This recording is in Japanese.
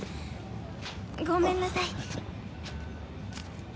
ごめんなさい。